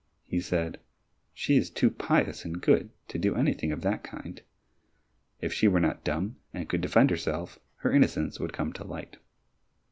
He said, "She is too pious and good to do anything of that kind; if she were not dumb, and could defend herself, her innocence would come to light."